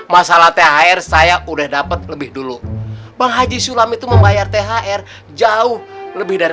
masalah thr saya udah dapat lebih dulu bang haji sulam itu membayar thr jauh lebih dari